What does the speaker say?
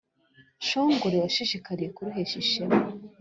nshongore washishikariye kuruhesha ishema